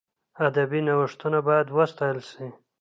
ادبي نوښتونه باید وستایل سي.